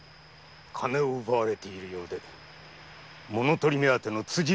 金を奪われているようで物とり目当ての辻斬りかと。